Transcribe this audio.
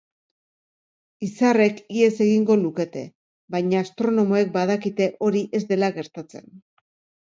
Izarrek ihes egingo lukete, baina astronomoek badakite hori ez dela gertatzen.